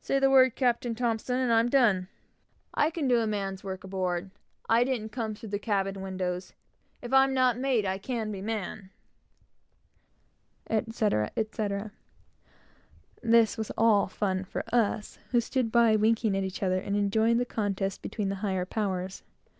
"Say the word, Capt. T., and I'm done! I can do a man's work aboard! I didn't come through the cabin windows! If I'm not mate, I can be man," etc., etc. This was all fun for us, who stood by, winking at each other, and enjoying the contest between the higher powers.